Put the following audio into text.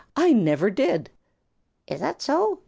"I never did!" "Is that so?"